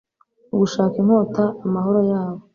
Gushaka inkota amahoro yabo